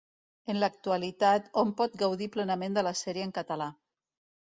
En l'actualitat, hom pot gaudir plenament de la sèrie en català.